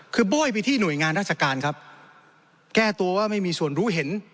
คือโบ้ยไปที่หน่วยงานราชการครับแก้ตัวว่าไม่มีส่วนรู้เห็น